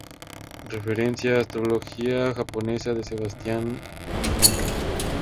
Referencia: Astrología Japonesa de Sebastián Cuenca